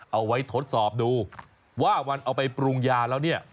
เอาไว้ทดสอบดูว่าวันเอาไปปรุงยาแล้วเนี่ย